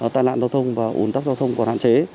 tai nạn giao thông và ủn tắc giao thông còn hạn chế